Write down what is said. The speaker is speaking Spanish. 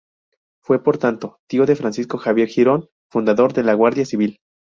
Fue por tanto, tío de Francisco Javier Girón, fundador de la Guardia Civil.